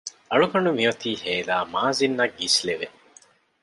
އަޅުގަނޑު މިއޮތީ ހޭލާ މާޒިން އަށް ގިސްލެވެ